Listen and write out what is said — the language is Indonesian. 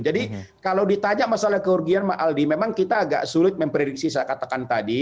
jadi kalau ditanya masalah keurgian aldi memang kita agak sulit memprediksi saya katakan tadi